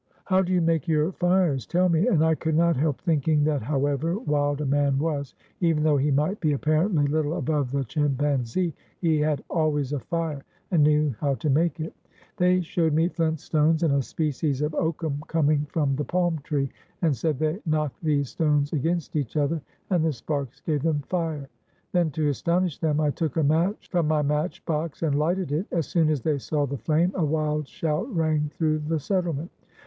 "How do you make your fires? tell me." And I could not help thinking that, however wild a man was, even though he might be apparently little above the chim panzee, he had always a fire, and knew how to make it. They showed me flint stones, and a species of oakum coming from the palm tree, and said they knocked these stones against each other, and the sparks gave them fire. Then, to astonish them, I took a match from my match box and lighted it. As soon as they saw the flame a wild shout rang through the settlement.